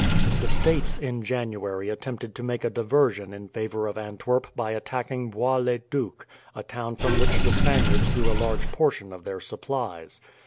The States in January attempted to make a diversion in favour of Antwerp by attacking Bois le Duc, a town from which the Spaniards drew a large portion of their supplies.